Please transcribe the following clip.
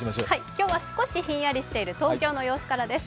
今日は少しひんやりしている東京の様子からです。